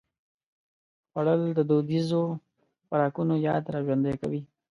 خوړل د دودیزو خوراکونو یاد راژوندي کوي